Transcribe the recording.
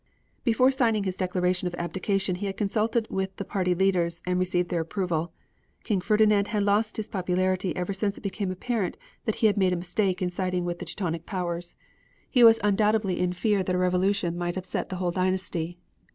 Before signing his declaration of abdication he had consulted with the party leaders and received their approval. King Ferdinand had lost his popularity ever since it became apparent that he had made a mistake in siding with the Teutonic Powers. He was undoubtedly in fear that a revolution might upset the whole dynasty.